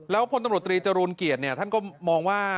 พลตำรวจตรีจรูลเกียรติท่านก็มองว่า